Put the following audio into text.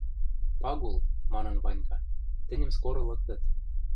— Пагул, — манын Ванька, — тӹньӹм скоры лыктыт.